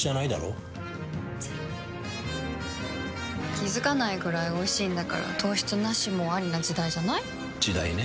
気付かないくらいおいしいんだから糖質ナシもアリな時代じゃない？時代ね。